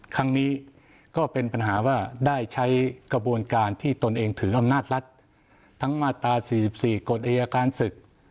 ครั้งนี้ก็เป็นปัญหาว่าได้ใช้กระบวนการที่ตนเองถืออำนาจรัฐทั้งมาตรา๔๔กฎอายการศึก